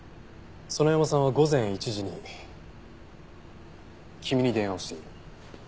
園山さんは午前１時に君に電話をしている。